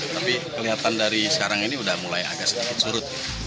tapi kelihatan dari sekarang ini sudah mulai agak sedikit surut